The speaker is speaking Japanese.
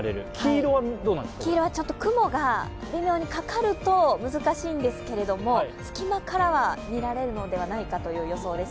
黄色はちょっと雲が微妙にかかると難しいんですけど、隙間から見られるのではないかという予想です。